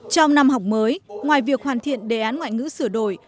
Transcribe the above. trong năm học mới ngoài việc hoàn thiện đề án ngoại ngữ sửa đổi